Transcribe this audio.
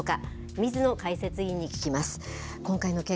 水野解説委員に聞きます。